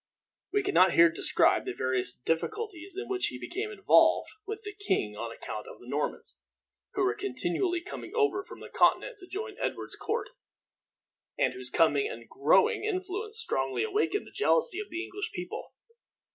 We can not here describe the various difficulties in which he became involved with the king on account of the Normans, who were continually coming over from the Continent to join Edward's court, and whose coming and growing influence strongly awakened the jealousy of the English people.